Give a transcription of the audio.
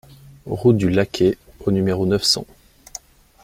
Route du Lacay au numéro neuf cents